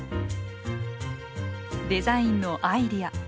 デザインのアイデア。